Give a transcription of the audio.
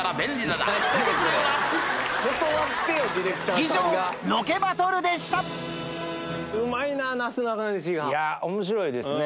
以上面白いですね。